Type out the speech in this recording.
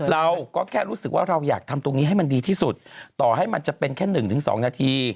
เราก็แค่รู้สึกว่าเราอยากทำตรงนี้ให้มันดีที่สุดต่อให้มันจะเป็นแค่๑๒นาที